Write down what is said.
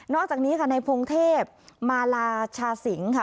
อกจากนี้ค่ะในพงเทพมาลาชาสิงค่ะ